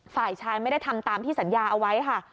ฝ่ายชายไม่ได้ทำตามที่สัญญาเอาไว้ค่ะ